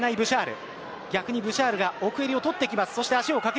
ブシャールが奥襟を取ってきます。